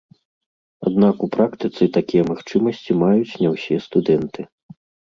Аднак у практыцы такія магчымасці маюць не ўсе студэнты.